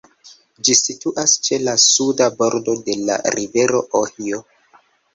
Ĝi situas ĉe la suda bordo de la rivero Ohio.